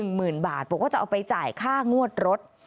หมื่นบาทบอกว่าจะเอาไปจ่ายค่างวดรถ